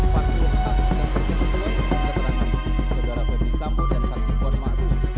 pak tuhan dan berikutnya keterangan saudara bapak sampo dan saksi tuhan makhluk